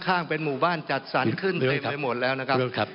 ข้างเป็นหมู่บ้านจัดสรรขึ้นเต็มไปหมดแล้วนะครับ